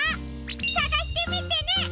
さがしてみてね！